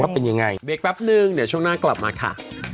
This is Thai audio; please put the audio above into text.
เป็นยังไงเบรกแป๊บนึงเดี๋ยวช่วงหน้ากลับมาค่ะ